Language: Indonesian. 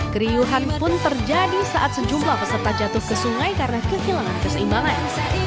keriuhan pun terjadi saat sejumlah peserta jatuh ke sungai karena kehilangan keseimbangan